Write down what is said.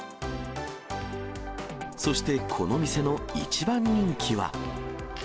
そしてこの店の一番人気は。